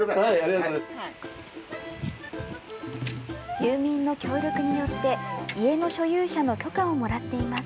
住民の協力によって、家の所有者の許可をもらっています。